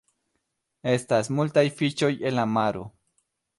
Estas multaj fiŝoj en la maro.